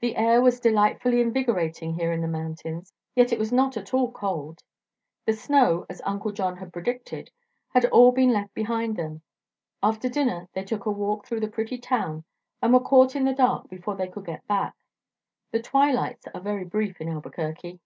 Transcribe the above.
The air was delightfully invigorating here in the mountains, yet it was not at all cold. The snow, as Uncle John had predicted, had all been left behind them. After dinner they took a walk through the pretty town and were caught in the dark before they could get back. The twilights are very brief in Albuquerque.